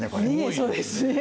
そうですね。